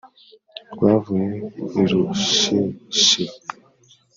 Rwavuye i Rusheshe